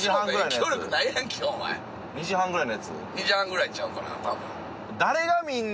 ２時半ぐらいちゃうかな多分。